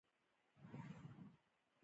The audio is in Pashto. د مست سيند او ځنګلي غرونو ننداره کوې.